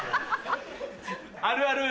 あるある！